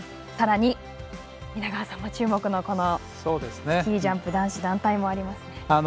さらに、皆川さんも注目のスキージャンプ男子団体もあります。